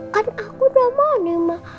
kan aku udah mandi ma